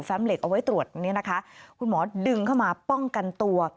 เหล็กเอาไว้ตรวจเนี่ยนะคะคุณหมอดึงเข้ามาป้องกันตัว